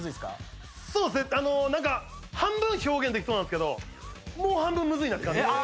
そうですねなんか半分表現できそうなんですけどもう半分むずいなって感じですね。